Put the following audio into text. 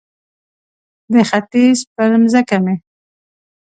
د ختیځ پر مځکه مې